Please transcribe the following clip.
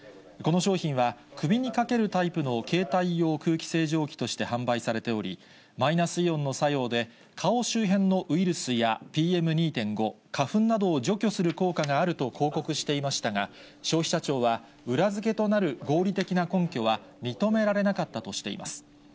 この商品は、首にかけるタイプの携帯用空気清浄機として販売されており、マイナスイオンの作用で、顔周辺のウイルスやＰＭ２．５、花粉などを除去する効果があると広告していましたが、消費者庁は、裏付けとなる合理的な根拠は認められなかったとしています。